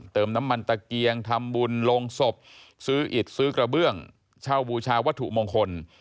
เติมน้ำมันตะเกียงทำบุญลงศพซื้ออิดซื้อกระเบื้องเช่าบูชาวัตถุมงคล